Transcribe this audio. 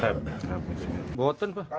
bapak apa yang anda lakukan